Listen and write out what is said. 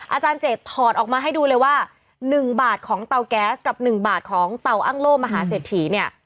อาจารย์เจดถอดออกมาให้ดูเลยว่า๑บาทของเตาแก๊สกับ๑บาทของเตาอ้างโล่มหาเศรษฐีเนี่ย